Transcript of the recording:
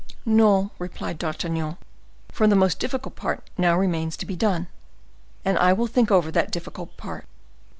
"No," replied D'Artagnan; "for the most difficult part now remains to be done, and I will think over that difficult part."